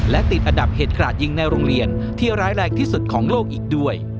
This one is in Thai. และติดอันดับเหตุกราดยิงในโรงเรียนที่ร้ายแรงที่สุดของโลกอีกด้วย